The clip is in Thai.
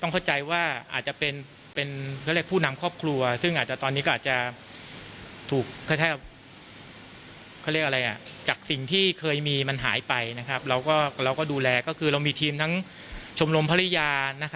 ภารกิจจะเสร็จสิ้นนะครับทุกคนยังมีความหวังในการที่จะพบผู้เสียหาย